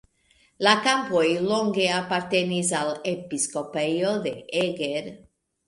La kampoj longe apartenis al episkopejo de Eger.